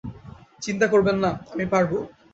চিন্তা করবেন না, আমি পারবো।